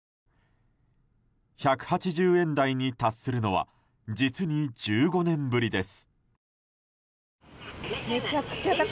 １８０円台に達するのは実に１５年ぶりです。